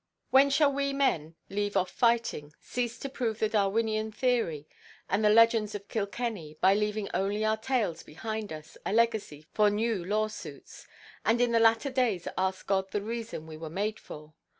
When shall we men leave off fighting, cease to prove the Darwinian theory, and the legends of Kilkenny (by leaving only our tails behind us, a legacy for new lawsuits); and in the latter days ask God the reason we were made for?